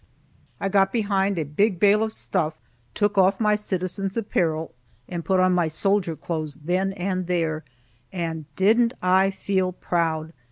I got behind a big bale of stuff, took off my citizen's apparel and put on my soldier clothes then and there, and didn't I feel proud!